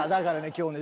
今日ね